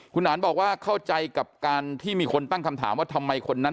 คุณอันบอกว่าเข้าใจกับการที่มีคนตั้งคำถามว่าทำไมคนนั้น